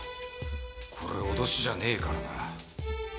これ脅しじゃねぇからな。